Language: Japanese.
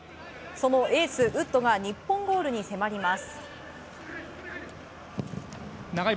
そのエース、ウッドが日本ゴールに迫ります。